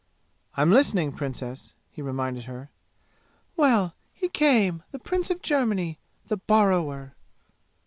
"I'm listening, Princess!" he reminded her. "Well he came the Prince of Germany the borrower!"